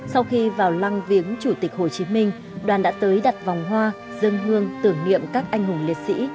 sau khi vào lăng viếng chủ tịch hồ chí minh đoàn đã tới đặt vòng hoa dân hương tưởng niệm các anh hùng liệt sĩ